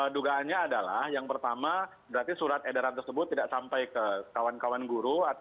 dugaannya adalah yang pertama berarti surat edaran tersebut tidak sampai ke kawan kawan guru